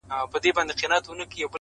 خداى له هري بي بي وركړل اولادونه.!